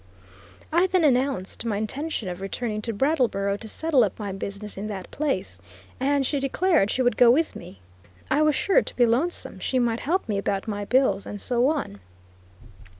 I then announced my intention of returning to Brattleboro to settle up my business in that place, and she declared she would go with me; I was sure to be lonesome; she might help me about my bills, and so on.